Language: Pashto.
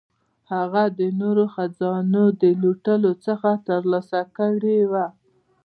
هغه د نورو خزانو د لوټلو څخه ترلاسه کړي وه.